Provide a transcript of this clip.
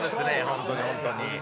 本当に本当に。